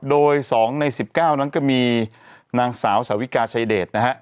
โดย๒ใน๑๙นั้นก็มีนางสาวสาวิกาชัยเดชนะฮะ